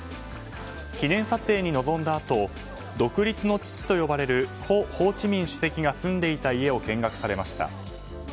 記念撮影に臨んだあと独立の父と呼ばれる故ホーチミン主席が住んでいた家を見学されました。